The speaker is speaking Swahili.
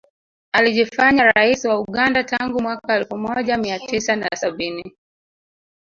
Alijifanya rais wa Uganda tangu mwaka elfu moja mia tisa na sabini